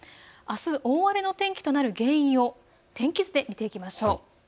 大荒れの天気となる理由を天気図で見ていきましょう。